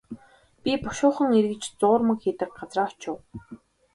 Би бушуухан эргэж зуурмаг хийдэг газраа очив.